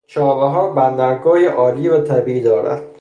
چابهار بندرگاهی عالی و طبیعی دارد.